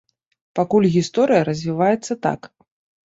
Пакуль гісторыя развіваецца так.